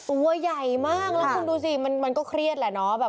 ตัวใหญ่มากแล้วคุณดูสิมันก็เครียดแหละเนาะ